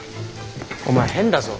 お前変だぞ？